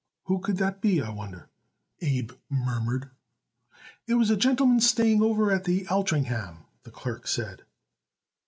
"Who could that be, I wonder?" Abe murmured. "It was a gentleman staying over at the Altringham," the clerk said.